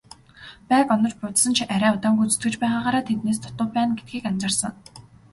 Байг онож буудсан ч арай удаан гүйцэтгэж байгаагаараа тэднээс дутуу байна гэдгийг анзаарсан.